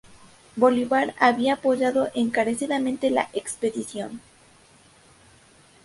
Bolívar había apoyado encarecidamente la expedición.